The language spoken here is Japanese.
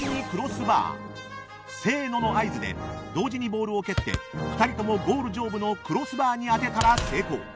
［「せーの！」の合図で同時にボールを蹴って２人ともゴール上部のクロスバーに当てたら成功］